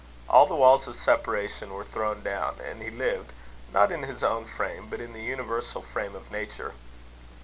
All the walls of separation were thrown down, and he lived, not in his own frame, but in the universal frame of nature.